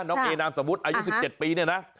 เอนามสมมุติอายุ๑๗ปีเนี่ยนะ